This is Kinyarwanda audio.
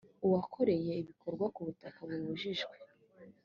uwakoreye ibikorwa ku butaka bubujijwe